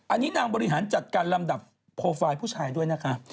อันนี้นางบริหารจัดการลำดับโปรไฟล์ผู้ชายด้วยนะคะ